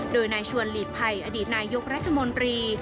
โดยนายชวนหลีกภัยอดีตนายกรัฐมนตรี